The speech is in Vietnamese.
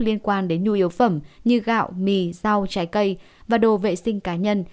liên quan đến nhu yếu phẩm như gạo mì rau trái cây và đồ vệ sinh cá nhân